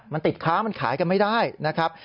มันติดค้ามันขายกันไม่ได้นะครับ